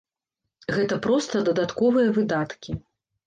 Гэта проста дадатковыя выдаткі.